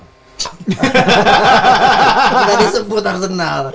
sudah disebut arsenal